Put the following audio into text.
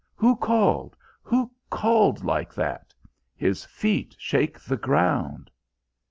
Who called? Who called like that? His feet shake the ground!"